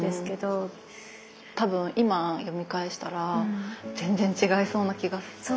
多分今読み返したら全然違いそうな気がする。